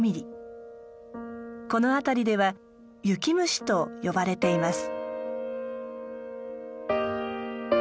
この辺りでは「雪虫」と呼ばれています。